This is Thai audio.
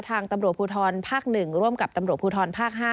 ทางตำรวจภูทรภาค๑ร่วมกับตำรวจภูทรภาค๕